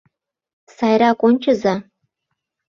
Сайрак ончыза!